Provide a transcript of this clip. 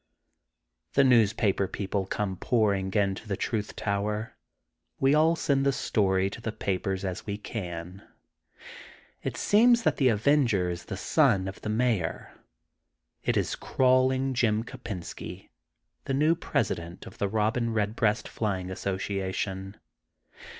The newspaper people come pouring into the Truth Tower. We all send the story to the pikers as we can. It seems that the avenger is the son of the Mayor. It is *^ Crawling Jim Kopensky,'* the new President of the Robin Eedbreast flying association.